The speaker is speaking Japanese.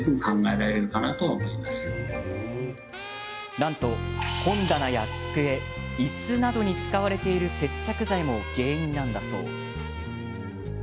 なんと本棚や机、いすなどに使われている接着剤も原因なんだそう。